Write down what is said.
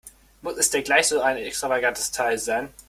Muss es denn gleich so ein extravagantes Teil sein?